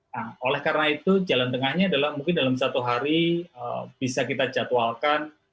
nah oleh karena itu jalan tengahnya adalah mungkin dalam satu hari bisa kita jadwalkan